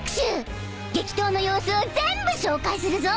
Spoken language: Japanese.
激闘の様子を全部紹介するぞ！